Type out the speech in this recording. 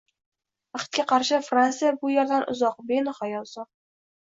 Baxtga qarshi, Fransiya bu yerdan uzoq, benihoya uzoq.